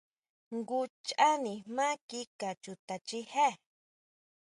Jngu cháʼ nijmá kika chuta chijé.